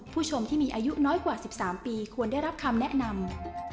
ผู้ชมที่มีอายุน้อยกว่า๑๓ปีควรได้รับคำแนะนำ